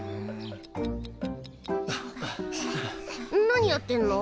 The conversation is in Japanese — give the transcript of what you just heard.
何やってんの？